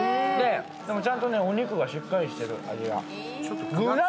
ちゃんとお肉がしっかりしてる、味が。